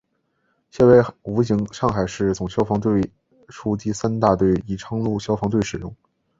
现为武警上海市总队消防处第三大队宜昌路消防队使用。